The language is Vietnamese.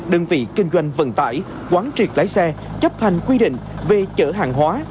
đơn vị kinh doanh vận tải quán triệt lái xe chấp hành quy định về chở hàng hóa